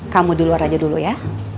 kamu di luar aja dulu ya